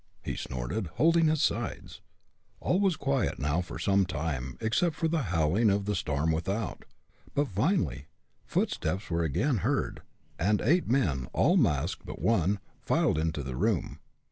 he snorted, holding his sides. All was now quiet for some time, except for the howling of the storm without. But, finally, footsteps were again heard, and eight men, all masked but one, filed into the room.